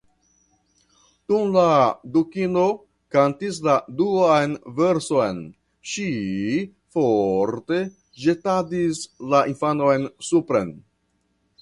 Dum la Dukino kantis la duan verson, ŝi forte ĵetadis la infanon supren.